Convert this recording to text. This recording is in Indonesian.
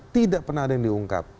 tidak pernah ada yang diungkap